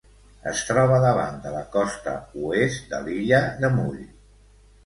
Es troba davant de la costa oest de l'illa de Mull.